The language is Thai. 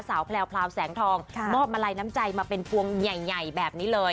สาวแพรวแพรวแสงทองค่ะมอบมาลัยน้ำใจมาเป็นฟวงใหญ่ใหญ่แบบนี้เลย